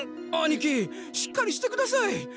あにきしっかりしてください。